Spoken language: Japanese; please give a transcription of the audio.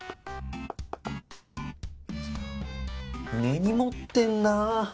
根に持ってんな。